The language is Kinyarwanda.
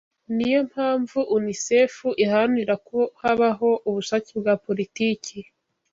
Ni yo mpamvu UNISEFU iharanira ko habaho ubushake bwa politiki